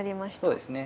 そうですね。